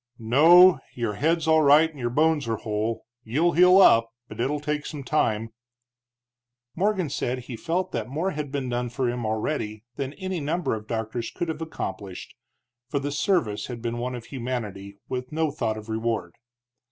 "No, your head's all right and your bones are whole. You'll heal up, but it'll take some time." Morgan said he felt that more had been done for him already than any number of doctors could have accomplished, for the service had been one of humanity, with no thought of reward.